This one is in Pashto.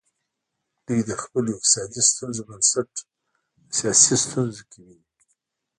دوی د خپلو اقتصادي ستونزو بنسټ د سیاسي ستونزو کې ویني.